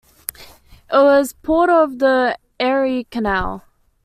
It was a port on the Erie Canal.